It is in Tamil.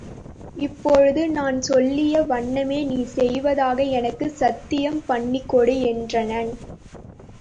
இப்போது நான் சொல்லிய வண்ணமே நீ செய்வதாக எனக்குச் சத்தியம் பண்ணிக்கொடு என்றனன்.